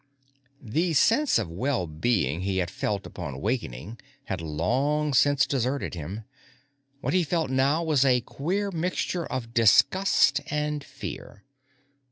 _ The sense of well being he had felt upon awakening had long since deserted him. What he felt now was a queer mixture of disgust and fear.